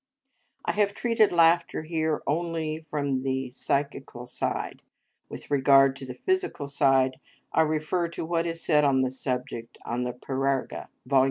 I have treated laughter here only from the psychical side; with regard to the physical side, I refer to what is said on the subject in the "Parerga," vol.